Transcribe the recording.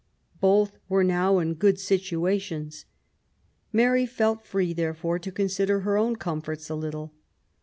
Both were now in good situations. Mary felt free, therefore, to consider her own comforts a little.